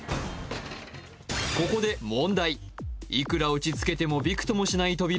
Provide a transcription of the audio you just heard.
ここで問題いくら打ちつけてもびくともしない扉